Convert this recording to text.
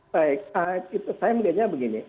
baik saya melihatnya begini